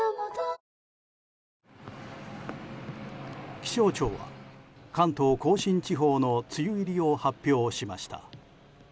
気象庁は関東・甲信地方の梅雨入りを発表しました。